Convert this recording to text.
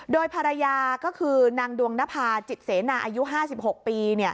โดยภรรยาก็คือนางดวงนภาจิตเสนาอายุ๕๖ปี